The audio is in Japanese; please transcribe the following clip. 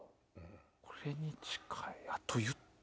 これに近い。